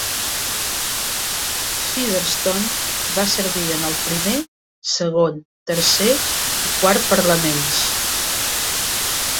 Featherston va servir en el primer, segon, tercer i quart Parlaments.